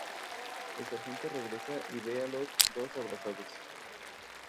Pero Giulio fue golpeado malamente y perdió el uso de un ojo.